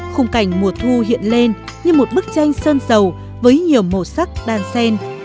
khung cảnh mùa thu hiện lên như một bức tranh sơn sầu với nhiều màu sắc đàn sen